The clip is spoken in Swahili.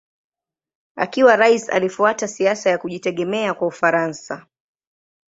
Akiwa rais alifuata siasa ya kujitegemea kwa Ufaransa.